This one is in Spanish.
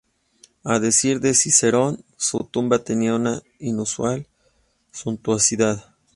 A decir de Cicerón, su tumba tenía una inusual suntuosidad.